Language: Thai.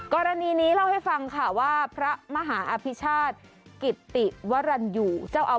กรณีนี้เล่าให้ฟังค่ะว่าพระมหาอภิชาธิกิติวรรณอยู่